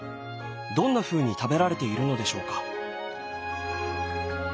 どんなふうに食べられているのでしょうか。